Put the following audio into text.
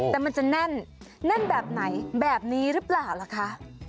แต่มันจะแน่นแน่นแบบไหนแบบนี้หรือเปล่าล่ะคะ